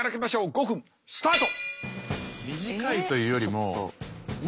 ５分スタート。